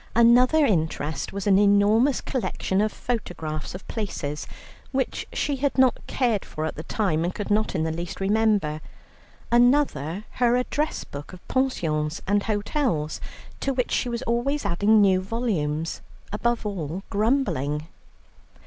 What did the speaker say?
Another interest was an enormous collection of photographs of places, which she had not cared for at the time, and could not in the least remember; another her address book of pensions and hotels, to which she was always adding new volumes; above all, grumbling.